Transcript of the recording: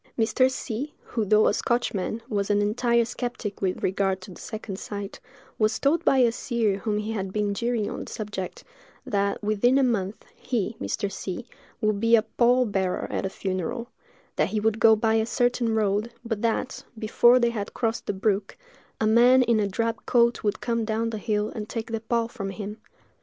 Mr. C——, who, though a Scotchman, was an entire skeptic with regard to the second sight, was told by a seer whom he had been jeering on the subject, that, within a month, he (Mr. C——) would be a pall bearer at a funeral; that he would go by a certain road, but that, before they had crossed the brook, a man in a drab coat would come down the hill and take the pall from him.